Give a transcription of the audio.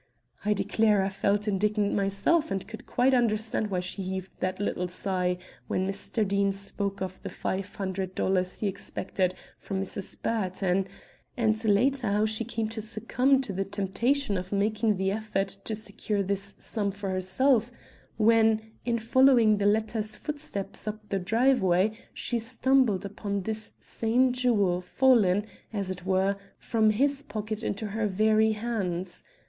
I declare I felt indignant myself and could quite understand why she heaved that little sigh when Mr. Deane spoke of the five hundred dollars he expected from Mrs. Burton, and later, how she came to succumb to the temptation of making the effort to secure this sum for herself when, in following the latter's footsteps up the driveway, she stumbled upon this same jewel fallen, as it were, from his pocket into her very hands.